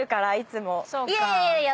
いやいやいや！